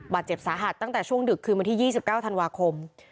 บาดเจ็บสาหัสตั้งแต่ช่วงดึกคืนวันที่๒๙ธันวาคม